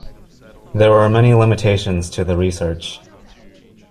There were many limitations to the research.